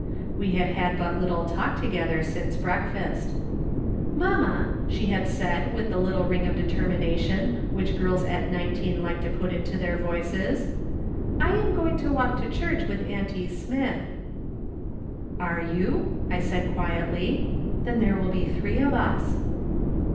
We had had but little talk together since breakfast. " Mamma," she had said, M'ith the little ring of determination which girls at nineteen like to put into their voices, " I am going to walk to church with auntie Smith." " Are you ?" I said quietly ;" then there will be three of us."